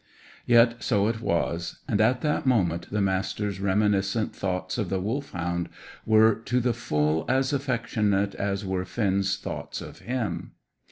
Yet so it was. And at that moment the Master's reminiscent thoughts of the Wolfhound were to the full as affectionate as were Finn's thoughts of him.